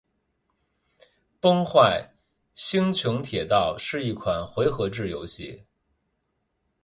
《崩坏：星穹铁道》是一款回合制游戏。